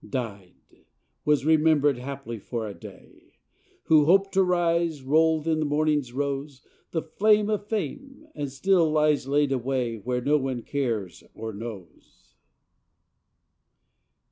Died; was remembered, haply, for a day; Who hoped to rise rolled in the morning's rose, The flame of fame, and still lies laid away Where no one cares or knows.